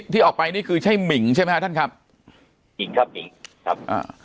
ที่ออกไปนี่คือใช่หมิ่งใช่ไหมฮะท่านครับหมิ่งครับหมิ่งครับอ่า